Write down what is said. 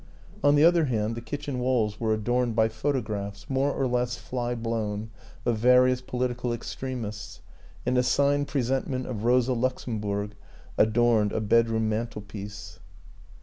On the other hand, the kitchen walls were adorned by photo graphs, more or less fly blown, of various political extremists, and a signed presentment of Rosa Luxemburg adorned a bedroom mantelpiece.